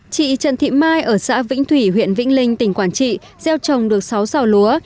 chị trần thị mai ở xã vĩnh thủy huyện vĩnh linh tỉnh quảng trị gieo trồng được sáu xào lúa